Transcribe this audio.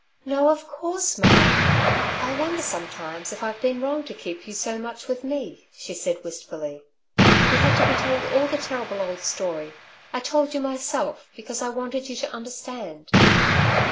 "No, of course, mother." "I wonder sometimes if I've been wrong to keep you so much with me," she said wistfully. "You had to be told all the terrible old story. I told you myself, because I wanted you to understand."